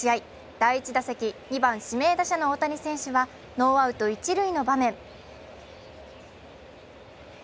第１打席、２番・指名打者の大谷選手はノーアウト一塁の場面。